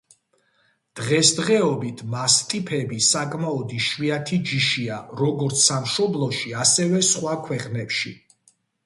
დღესდღეობით მასტიფები საკმაოდ იშვიათი ჯიშია როგორც სამშობლოში, ასევე სხვა ქვეყნებში.